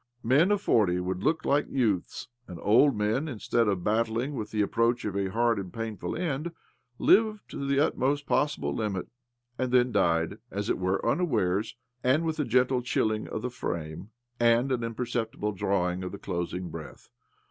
Men of forty would look like youths, and old men, instead of battlmg with the approach of a hard and painful end, lived to the utmost possible limit, and then died, as it were, unawares, and with a gentle chilling of the frame, and an imperceptible drawing of the closing breath.